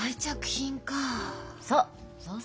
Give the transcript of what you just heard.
そう。